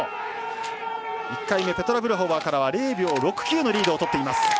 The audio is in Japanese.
１回目ペトラ・ブルホバーからは０秒６９のリードをとっています。